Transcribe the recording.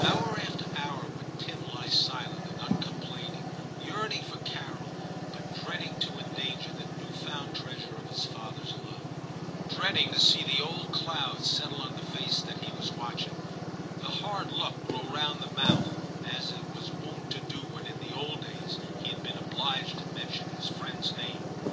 Hour after hour would Tim lie silent and uncomplaining, yearning for Carol, but dread ing to endanger the new found treasure of his father's love; dreading to see the old cloud settle on the face that he was watching, the hard look grow round the mouth, as it was wont to do when in the old days he had been obliged to mention his friend's name.